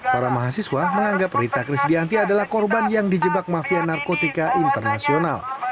para mahasiswa menganggap rita krisdianti adalah korban yang dijebak mafia narkotika internasional